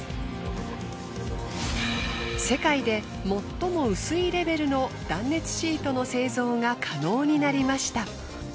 世界で最も薄いレベルの断熱シートの製造が可能になりました。